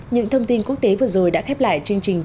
những thông tin quốc tế vừa rồi đã khép lại